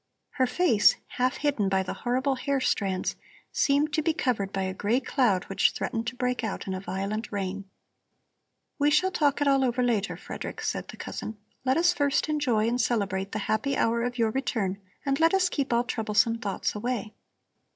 Her face, half hidden by the horrible hair strands, seemed to be covered by a gray cloud which threatened to break out in a violent rain. "We shall talk it all over later, Frederick," said the cousin. "Let us first enjoy and celebrate the happy hour of your return and let us keep all troublesome thoughts away."